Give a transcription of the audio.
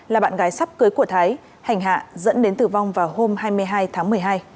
là bạn gái sắp cưới của thái hành hạ dẫn đến tử vong vào hôm hai mươi hai tháng một mươi hai